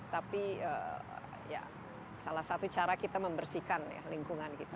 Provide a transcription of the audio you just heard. tapi salah satu cara kita membersihkan ya lingkungan kita